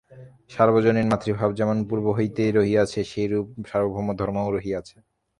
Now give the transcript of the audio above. সর্বজনীন ভ্রাতৃভাব যেমন পূর্ব হইতেই রহিয়াছে, সেইরূপ সার্বভৌম ধর্মও রহিয়াছে।